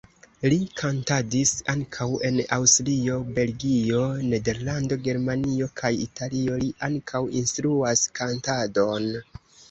Li kantadis ankaŭ en Aŭstrio, Belgio, Nederlando, Germanio kaj Italio, li ankaŭ instruas kantadon.